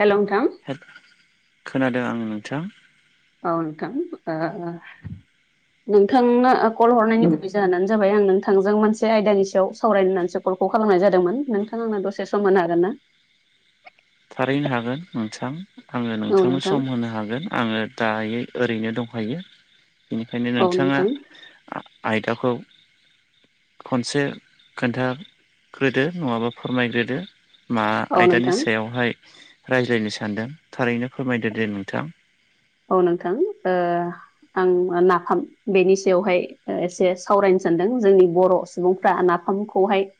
हेल' नोंथां। हेल खोनादों आङो नोंथां। औ नोंथां ओ नोंथांनो कल हरनायनि गुबै जाहोनानो जाबाय आं नोंथांजों मोनसे आयदानि सायाव सावरायनो होननानैसो कलखौ खालामनाय जादोंमोन नोंथां। आंनो दसे सम होनो हागोन ना? थारैनो हागोन मोनसां आङो औ नोंथांनो नोंथां सम होनो हागोन। आङो दायो ओरैनो दंखायो। बेनिखायनो औ नोंथाङा नोंथां आ आयदाखौ खनसे खोन्थाग्रोदो नङाबा फोरमायग्रोदो। मा औ आयदानि नोंथां सायावहाय रायज्लायनो सानदों थारैनो फोरमायदो दे नोंथां। औ नोंथां। ओ आं नाफाम बेनि सायावहाय एसे सावरायनो सानदों जोंनि बर' सुबुंफ्रा नाफामखौहाय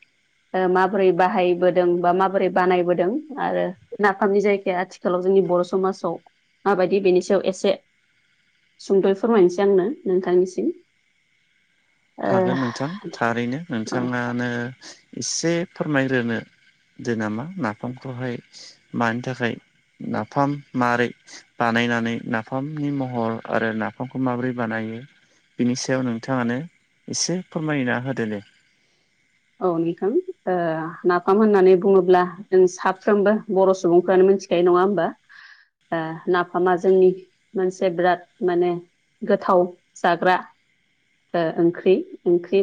माबोरै बाहायबोदों बा माबोरै बानायबोदों आरो नाफामनि जायगाया आथिख थिखालाव जोंनि बर' समाजाव माबायदि बेनि सा याव एसे सुंद'यै फोरमायनोसै आंनो नोंथांनिसिम ओ हागोन औ नोंथां थारैनो नोंथाङानो एसे फोरमायग्रोनो दो नामा नाफामखौहाय मानि थाखाय नाफाम मारै बानायनानै नाफामनि महर आरो नाफामखौ माबोरै बानायो बिनि सायाव नोंथाङानो एसे फोरमायना होदो दे। औ नोंथां ओ नाफाम होननानै बुङोब्ला जों साफ्रोमबो बर' सुबुंफ्रानो मोनथि थिखायो नङा होमबा नाफामा जोंनि मोनसे बिराद माने गोथाव जाग्रा ओ ओंख्रि ओंख्रि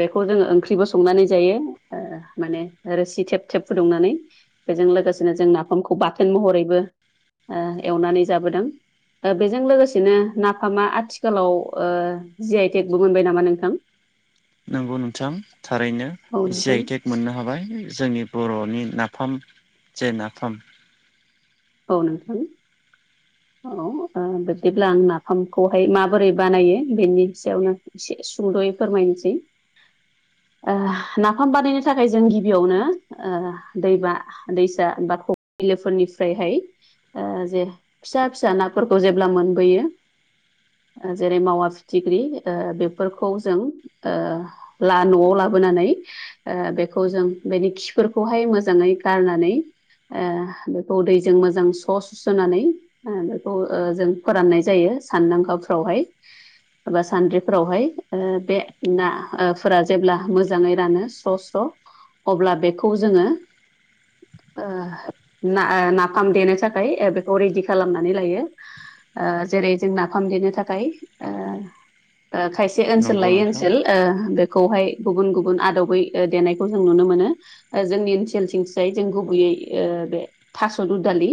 बेखौ जोङो ओंख्रिबो संनानै जायो। माने रोसि थेब थेब फुदुंनानै बेजों लोगोसेनो जों नाफामखौ बाथोन महरैबो ओ एवनानै जाबोदों। दा बेजों लोगोसेनो नाफामा आथिखालाव ओ जि आइ टेगबो मोनबाय नामा नोंथां? नोंगौ नोंथां थारैनो औ जि नोंथां आइ टेग मोननो हाबाय। जोंनि बर'नि नाफाम जे नाफाम औ नोंथां औ ओ बिब्दिब्ला आं नाफामखौहाय माबोरै बानायो बेनि सायावनो एसे सुद'यै फोरमायनोसै। ओ नाफाम बानायनो थाखाय जों गिबियावनो दैबा दैसा बा बिलोफोरनि फ्रायहाय ओ जे फिसा फिसा नाफोरखौ जेब्ला मोनबोयो जेरै मावा फिथिख्रि ओ बेफोरखौ जों ओ ला न'आव लाबोनानै ओ बेखौ जों बेनि खिफोरखौहाय मोजाङै गारनानै ओ बे खौ दैजों मोजां स' सुस्र'ननानै बेखौ जों फोराननाय जायो सानदांगाफ्रावहाय। एबा सान्द्रिफोरावहाय बे ना फोरा जेब्ला मोजाङै रानो स्र' स्र' अब्ला बेखौ जोङो ना ओ नाफाम देनो थाखाय ओ बेखौ रेडि खालामनानै लायो। ओ जेरै जों नाफाम देनो थाखाय ओ खायसे ओनसो सोल नंगौ लायै नोंथां ओनसोल बेखौहाय गुबुन गुबुन आदबै देनायखौ जों नुनो मोनो। जोंनि ओनसोल सिं फिसाय जों गुबैयै ओ बे थास' दुदालि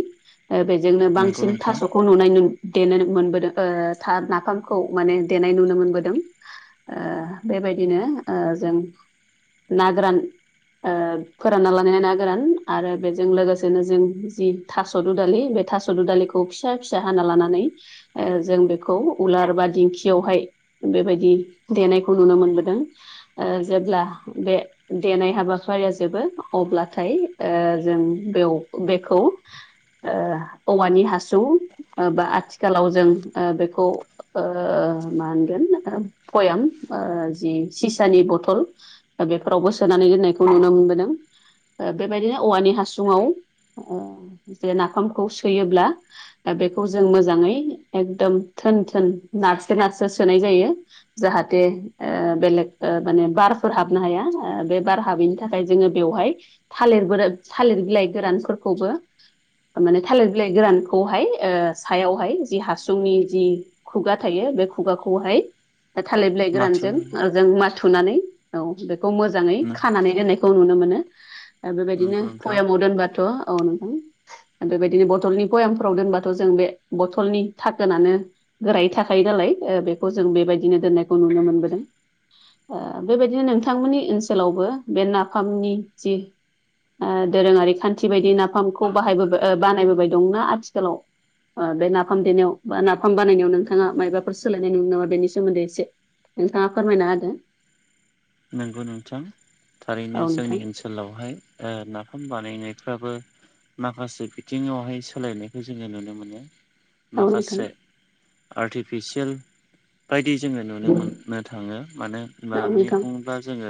बेजोंनो नंगौ बांसिन नोंथां थास'खौ नुनाय दे मोनबोदों ओ था नाफामखौ माने देनाय नुनो मोनबोदों। ओ बेबायदिनो ओ जों ना गोरान ओ फोरानना लानायनाय ना गोरान आरो बेजों लोगोसेनो जों जों जि थास' दु दालि बे थास' दु दालिखौ फिसा फिसा हाना लानानै जों बेखौ उलार बा दिंखियावहाय बेबायदि देनायखौ नुनो मोनबोदों जेब्ला बे देनाय हाबाफारिया जोबो अब्लाथाय जों बेयाव बेखौ औवानि हासुं बा आथिखालाव जों ओ बेखौ मा होनगोन बयाम जि सिसानि बथल बेफोरावबो सोनानै दोननायखौ नुनो मोनबोदों बेबायदिनो औवानि हासुङाव बे नाफामखौ सोयोब्ला बेखौ जों मोजाङै एकदम थोन थोन नारसो नारसो सोनाय जायो। जाहाथे बेलेग माने बारफोर हाबनो हाया बे बार हाबैनि थाखाय जोङो बेवहाय थालिर गोर थालिर बिलाइ गोरानफोरखौबो माने थालिर बिलाइ गोरानखौहाय सायावहाय जि हासुंनि जि खुगा थायो बे खुगाखौहाय थालिर बिलाइ माथ्र' गोरानजों जों माथुनानै औ बेखौ मोजांङै खानानै दोननाय खौ नुनो मोनो बेबायदिनो नंगौ नोंथां बयामाव दोनबाथ' औ नोंथां बेबायदिनो बथलनि बयामफ्राव दोनबाथ' जों बे बथलनि थाखोनानो गोरायै थाखायो नालाय बेखौ जों बेबायदिनो दोननायखौ नुनो मोनबोदों। बेबायदिनो नोंथांमोननि ओनसोलावबो बे नाफामनि जि दोरोंङारि खान्थि बायदि नाफामखौ बाहायबो बानायबोबाय दंना आथिखालाव बे नाफाम देनायाव बा नाफाम बानायनायाव नोंथांङा मायबाफोर सोलायनाय नुनो नामा बेनि सोमोन्दै एसे नोंथांङा फोरमायना होदो। नंगौ नोंथां औ थारैनो नोंथां जोंनि ओनसोलाव जोंनि ओसोलावहाय नाफाम बानायनायबो माखासे बिथिंङावहाय सोलायनायखौ जोंङो नुनो मोनो। औ नोंथां माखासे आर्टिफिसियेल बायदि जोंङो औ नुनो मोननो थांङो मानो होनोब्ला? बा जोंङो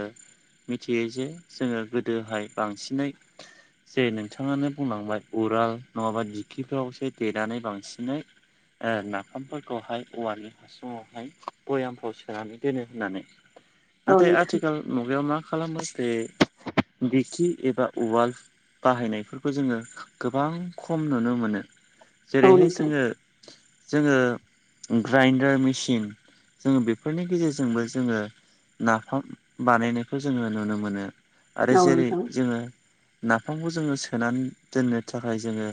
मिथियो जे जोंङो गोदोहाय बांसिनै जे नोंथांङानो बुंलांबाय उआल नंङाबा दिखिफ्रावसो देनानै बांसिनै ओ नाफामफोरखौहाय औवानि हासुंआवहाय बयामफाव सोनानै दोनो होननानै नाथाय नोंथां आथिखाल मुगायाव मा खालामो से बिखि एबा उआल बाहायनायफोरखौ जोंङो गोबां खम नुनो मोनो औ जेरैहाय नोंथां औ नोंथां जोंङो जोंङो ग्रेइन्डार मेसिन जोंङो बेफोरनि गेजेरजोंबो जोंङो नाफाम बानायनायखौ जोंङो नुनो मोनो आरो औ जेरै नोंथां जोंङो नाफामखौ जोंङो सोनानै दोननो थाखाय जोंङो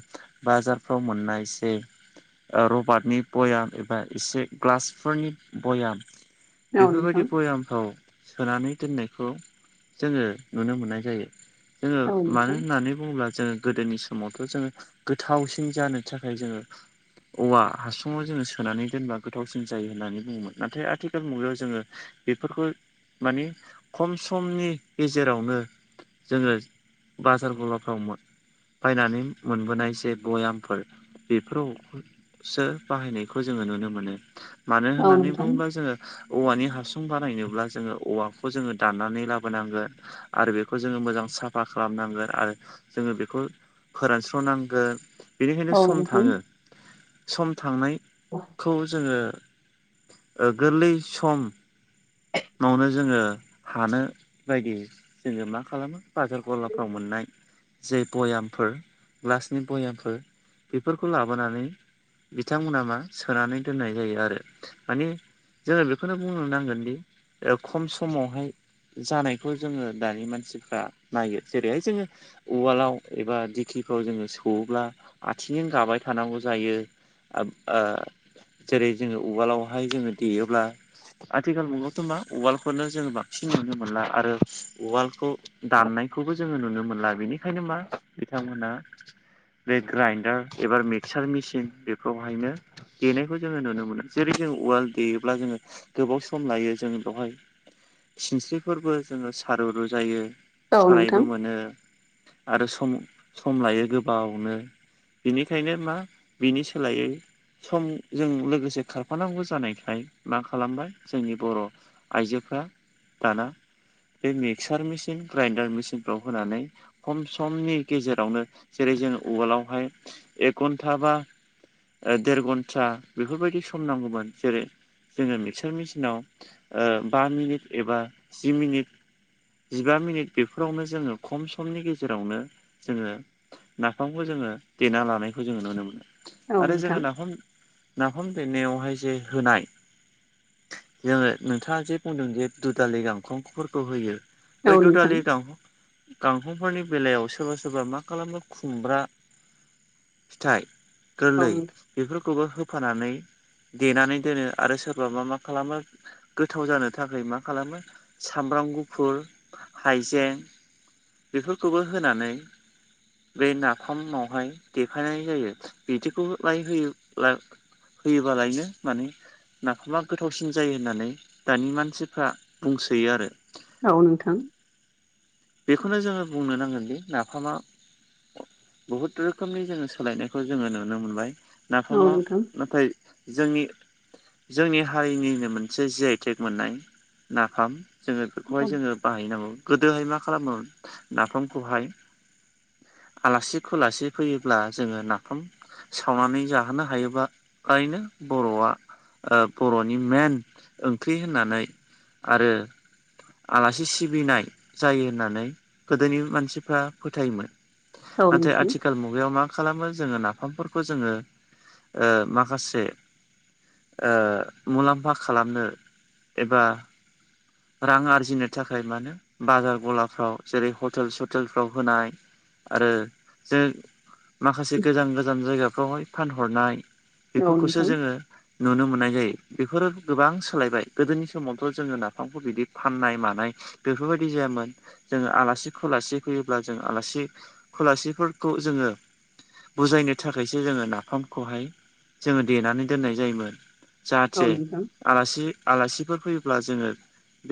बाजारफ्राव मोननाय जे रबारटनि बयाम एबा एसे ग्लासफोरनि बयाम औ बेफोरबायदि भयामफ्राव सोनानै दोननायखौ जोंङो नुनो मोननाय जायो। जोंङो मानो होननानै बुंङोब्ला जोंङो गोदोनि सम समावथ' जोंङो गोथावसिन जानो थाखाय जोंङो औवा हासुंङाव जोंङो सोनानै दोनबा गोथावसिन जायो होननानै बुंङोमोन नाथाय आथिखाल मुगायाव जोंङो बेफोरखौ माने खम समनि गेजेरावनो। जोंङो बाजार गलाफ्राव बायनानै मोनबोनाय जे भयामफोर बेफोरावसो बाहायनायखौ जोंङो नुनो मोनो। मानो नोंथां औ होननानै नोंथां बुंङोब्ला जोङो औवानि हासुं बानायनोब्ला जोंङो औवाखौ जोंङो दाननानै लाबोनांगोन। आरो बेखौ जोंङो मोजां साफा खालामनांगोन आरो जोंङो बेखौ फोरानस्र'नांगोन औ बेनिखायनो नोंथां औ सम थांङो। नोंथां सम थांनायखौ जोंङो गोरलै सम न'नो जोंङो हानो बायदि जोंङो मा खालामो बाजार गलाफ्राव मोननाय जे भयामफोर ग्लासनि भयामफोर बेफोरखौ लाबोनानै बिथांमोना मा सोनानै दोननाय जायो आरो मानि जोङो बेखौनो बुंनो नांगोनदि? ओ खम समावहाय जानायखौ जोंङो दानि मानसिफ्रा नायो जेरैहाय जोंङो उवालाव एबा दिखिफ्राव जोंङो सौवोब्ला आथिंजों गाबाय थानांगौ जायो आब आ जेरै जोंङो उवालावहाय जोंङो देयोब्ला आथिखाल मुव थुमना उवालखौनो जोंङो बांसिन नुनो मोनला आरो उवालखौ दाननायखौबो जोंङो नुनो मोनला बेनिखायनो मा बिथांमोना बे ग्राइन्डार एबा मिक्सार मिसिन बेफोरावहायनो देनायखौ जोङो नुनो मोनो जेरै जों उआल देयोब्ला जोङो गोबाव सम लायो जों बावहाय सिनस्रिफोरबो जोङो सारु रु जायो औ सानायबो मोनो आरो सम सम लायो गोबावनो बिनिखायनो मा बिनि सोलायै सम जों लोगोसे खारफानांगौ जानायखाय मा खालामबाय जोंनि बर' आइजोफ्रा दाना बे मिक्सार मेचिन ग्राइडार मिेचिनफ्राव होनानै खम समनि गेजेरावनो जेरै जों उवालावहाय एक घन्टा बा ओ देर घन्टा बेफोरबायदि सम नांगौमोन जेरै जोङो मिक्सार मेचिनाव ओ बा मिनिट एबा जि मिनिट जिबा मिनिट बेफोरावनो जोङो खम समनि गेजेरावनो जोङो नाफामखौ जोङो देना लानायखौ जोङो नुनो मोनो आरो जोङो नाफाम नाफाम देनायावहाय जे होनाय जोङो नोंथाङा जे बुंदों जे दुदालि गांखांफोरखौ होयो नोंथां औ बै नोंथां औ नोंथां औ नोंथां औ दुदालि गां गांखंफोरनि बेलायाव सोरबा सोरबा मा खालामो खुमब्रा फिथाइ गोरलै बेफोरखौबो होफानानै देनानै दोनो आरो सोरबा मा मा खालामो गोथाव जानो थाखाय मा खालामो सामब्राम गुफुर हाइजें बेफोरखौबो होनानै बे नाफामावहाय देखायनाय जायो बिदिखौ लाय होयोब्ला होयोबालायनो माने नाखौबा गोथावसिन जायो होननानै दानि मानसिफ्रा बुंसोयो आरो औ नोंथां बेखौनो जोङो बुंनो नांगोनदि नाफामा बहुत रोखोमनि जोङो सोलायनायखौ जोङो नुनो मोनबाय नाफामा नाथाय जोंनि जोंनि हारिनिनो मोनसे जि आईटेक मोननाय नाफाम जोङो बेखौहाय जोङो बाहायनांगौ गोदोहाय मा खालामो नाफामखौहाय आलासि खुलासि फैयोब्ला जोङो नाफाम सावनानै जाहोनो हायोबा खायनो बर'आ बर'नि मेन ओंख्रि होननानै आरो आलासि सिबिनाय जायो होननानै गोदोनि मानसिफ्रा फोथायोमोन नाथाय नोंथां आथिखाल मु मुगायाव मा खालामो जोङो नाफामफोरखौ जोङो ओ माखासे ओ मुलाम्फा खालामनो एबा रां आरजिनो थाखाय मानो बाजार गलाफ्राव जेरै हटेल सटेलफ्राव होनाय आरो जोङो माखासे गोजान गोजान जायगाफ्रावहाय फानहरनाय बेफोरखौसो जोङो नुनो मोननाय जायो बेफोरो गोबां सोलायबाय गोदोनि समावथ' जों ना फामखौ बिदि फाननाय मानाय बेफोरबायदि जायामोन जोङो आलासि खुलासि फैयोब्ला जों आलासि खुलासिफोरखौ जोङो बुजायनो थाखायसो जोङो नाफामखौहाय जोङो देनानै दोननाय जायोमोन औ नोंथां औ नोंथां औ जाहाथे नोंथां आलासि आलासिफोर फैयोब्ला जोङो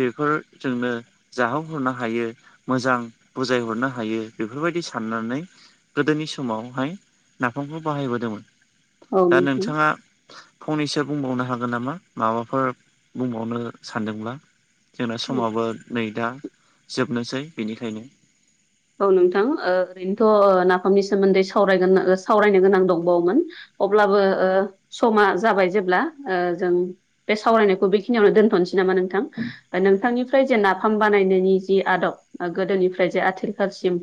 बेफोर जोंनो जाहोहरनो हायो मोजां बुजायहरनो हायो बेफोरबायदि साननानै गोदोनि समावहाय नाफामखौ बाहायबोदोंमोन औ दा नोंथां नोंथाङा फंनैसो बुंबावनो हागोन नामा माबाफोर बुंबावनो सानदोंब्ला? जोंना औ समाबो नै दा जोबनोसै बेनिखायनो औ नोंथां ओरैनोथ' नाफामनि सोमोन्दै सावरायगोन सावरायनो गोनां दंबावोमोन अब्लाबो ओ समा जाबाय जेब्ला ओ जों बे सावरायनायखौ बेखिनियावनो दोनथ'नोसै नामा नोंथां नोंथांनिफ्राय जे नाफाम बानायनायनि जि आदब ओ गोदोनिफ्राय जे आथिखालसिम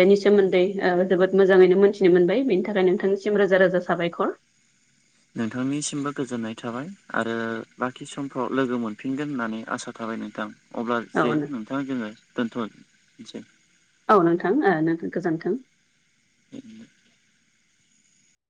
बेनि सोमोन्दै ओ जोबोद मोजाङैनो मोनथिनो मोनबाय बेनि थाखाय नोंथांनिसिम रोजा रोजा साबायखर नोंथांनिसिमबो गोजोननाय थाबाय आरो बाखि समफ्राव लोगो मोनफिनगोन होननानै आसा थाबाय नोंथां। अब्ला औ जे नोंथाङा जोङो दोनथ'नसै। औ नोंथां ओ नोंथां गोजोन्थों। [inaudible]